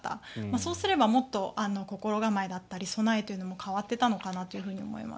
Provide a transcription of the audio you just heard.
そうすればもっと心構えだったり備えというのも変わっていたのかなと思います。